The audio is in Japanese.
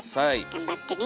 頑張ってね。